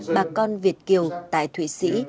bà con việt kiều tại thụy sĩ